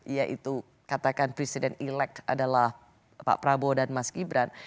yaitu katakan presiden elek adalah pak prabowo dan mas gibran